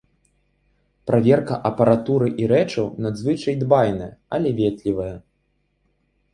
Праверка апаратуры і рэчаў надзвычай дбайная, але ветлівая.